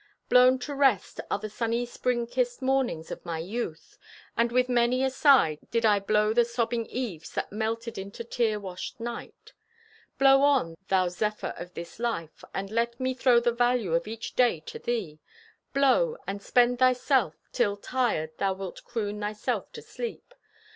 Blown to rest are the sunny spring kissed mornings of my youth, and with many a sigh did I blow the sobbing eves that melted into tear washed night. Blow on, thou zephyr of this life, and let me throw the value of each day to thee. Blow, and spend thyself, till, tired, thou wilt croon thyself to sleep.